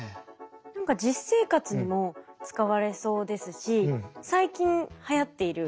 何か実生活にも使われそうですし最近はやっている脱出